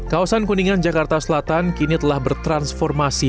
kawasan kuningan jakarta selatan kini telah bertransformasi